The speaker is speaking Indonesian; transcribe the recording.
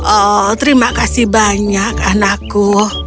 oh terima kasih banyak anakku